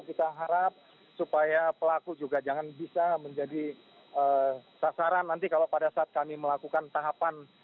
kita harap supaya pelaku juga jangan bisa menjadi sasaran nanti kalau pada saat kami melakukan tahapan